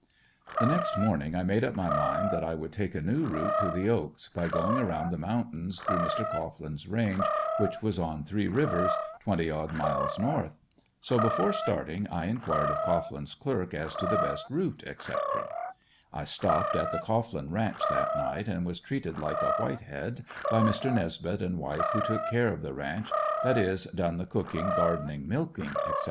The next morning I made up my mind that I would take a new route to the "Oaks" by going around the mountains through Mr. Cohglin's range which was on Three Rivers, twenty odd miles north. So before starting I inquired of Cohglin's clerk as to the best route, etc. I stopped at the Cohglin ranch that night and was treated like a white head by Mr. Nesbeth and wife who took care of the ranch, that is, done the cooking, gardening, milking, etc.